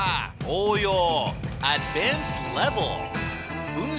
応用！